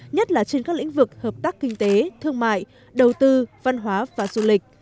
nhất là trên các lĩnh vực hợp tác kinh tế thương mại đầu tư văn hóa và du lịch